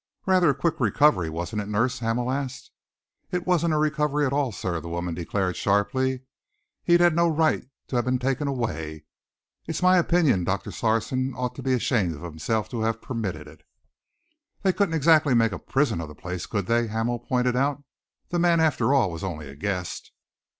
"Rather a quick recovery, wasn't it, nurse?" Hamel asked. "It wasn't a recovery at all, sir," the woman declared sharply. "He'd no right to have been taken away. It's my opinion Doctor Sarson ought to be ashamed of himself to have permitted it." "They couldn't exactly make a prison of the place, could they?" Hamel pointed out. "The man, after all, was only a guest."